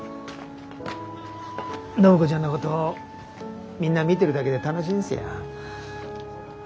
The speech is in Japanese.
暢子ちゃんのことみんな見てるだけで楽しいんですよ。